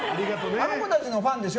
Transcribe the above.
あの子たちのファンでしょ？